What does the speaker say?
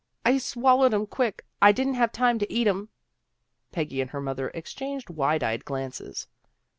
I swallowed 'em quick. I didn't have time to eat 'em." Peggy and her mother exchanged wide eyed glances.